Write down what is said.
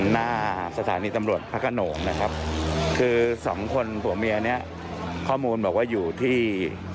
หน้าสถานีตำรวจพระขนงนะครับคือสองคนผัวเมียเนี้ยข้อมูลบอกว่าอยู่ที่